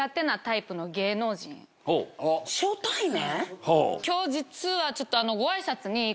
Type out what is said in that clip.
初対面？